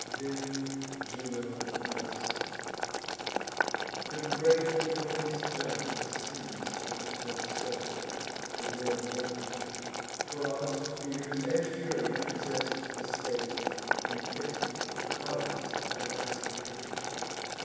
Then Juno thus: "The grateful work is done, The seeds of discord sow'd, the war begun; Frauds, fears, and fury have possess'd the state, And fix'd the causes of a lasting hate.